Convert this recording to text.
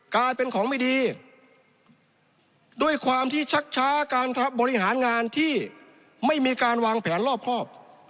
กลายเป็นของไม่ดีด้วยความที่ชักช้าการบริหารงานที่ไม่มีการวางแผนรอบครอบ